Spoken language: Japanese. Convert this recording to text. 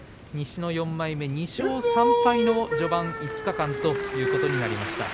西の４枚目、２勝３敗の序盤５日間ということになります。